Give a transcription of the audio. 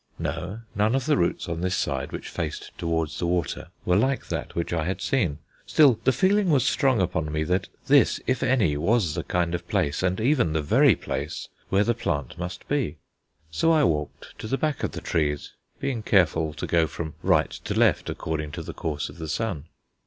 No, none of the roots on this side which faced towards the water were like that which I had seen still, the feeling was strong upon me that this, if any, was the kind of place, and even the very place, where the plant must be. So I walked to the back of the trees, being careful to go from right to left, according to the course of the sun.